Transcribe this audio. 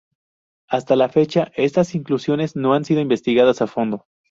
Hasta la fecha, estas inclusiones no han sido investigadas a fondo.